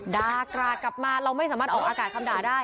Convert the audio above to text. ดากราดกลับมาเราไม่สามารถออกอากาศคำด่าได้